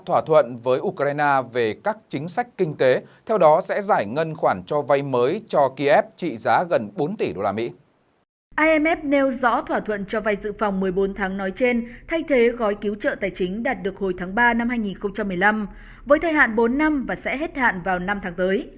aff nêu rõ thỏa thuận cho vay dự phòng một mươi bốn tháng nói trên thay thế gói cứu trợ tài chính đạt được hồi tháng ba năm hai nghìn một mươi năm với thời hạn bốn năm và sẽ hết hạn vào năm tháng tới